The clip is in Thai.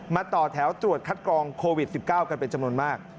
ต่อแถวตรวจคัดกรองโควิด๑๙กันเป็นจำนวนมาก